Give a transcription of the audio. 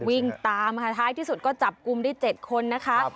วิ่งตามค่ะท้ายที่สุดก็จับกลุ่มได้๗คนนะคะ